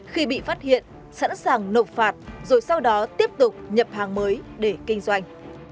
khi bị phát hiện sẵn sàng nộp phạt rồi sau đó tiếp tục nhập hàng mới để kinh doanh